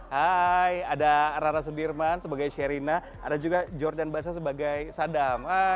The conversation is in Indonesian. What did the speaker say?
hai ada rara sudirman sebagai serina ada juga jordan basa sebagai sadam